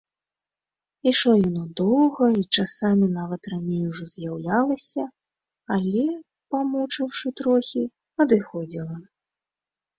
Ішло яно доўга і часамі нават раней ужо з'яўлялася, але, памучыўшы трохі, адыходзіла.